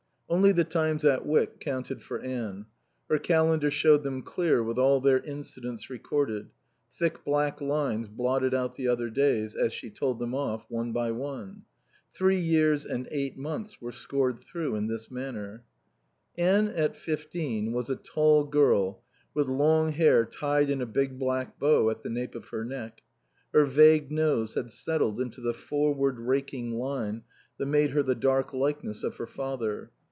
Only the times at Wyck counted for Anne. Her calendar showed them clear with all their incidents recorded; thick black lines blotted out the other days, as she told them off, one by one. Three years and eight months were scored through in this manner. Anne at fifteen was a tall girl with long hair tied in a big black bow at the cape of her neck. Her vague nose had settled into the forward raking line that made her the dark likeness of her father.